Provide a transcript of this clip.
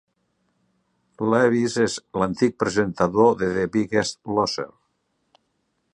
Lewis és l'antic presentador de "The Biggest Loser".